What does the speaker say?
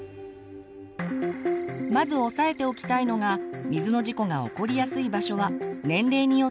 まず押さえておきたいのが水の事故が起こりやすい場所は年齢によって違うということ。